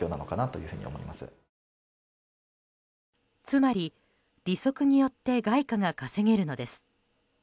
つまり、利息によって外貨が稼げるのです。